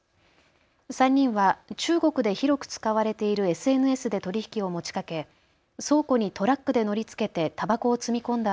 ３人は中国で広く使われているＳＮＳで取り引きを持ちかけ倉庫にトラックで乗りつけてたばこを積み込んだ